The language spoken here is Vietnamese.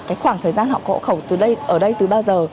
cái khoảng thời gian họ có ổ khẩu ở đây từ bao giờ